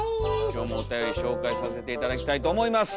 今日もおたより紹介させて頂きたいと思います。